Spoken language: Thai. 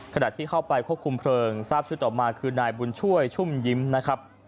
ขณะที่เข้าไปควบคุมเพลิงทราบชื่อต่อมาคือนายบุญช่วยชุ่มยิ้มนะครับ